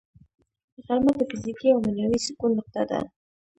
غرمه د فزیکي او معنوي سکون نقطه ده